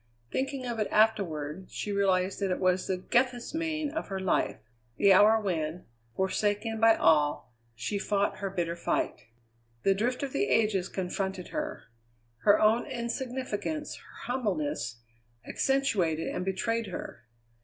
Thinking of it afterward, she realized that it was the Gethsemane of her life the hour when, forsaken by all, she fought her bitter fight. The drift of the ages confronted her. Her own insignificance, her humbleness, accentuated and betrayed her.